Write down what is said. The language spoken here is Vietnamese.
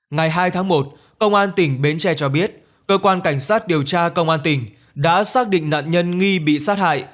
ngày hai tháng một công an tỉnh bến tre cho biết cơ quan cảnh sát điều tra công an tỉnh đã xác định nạn nhân nghi bị sát hại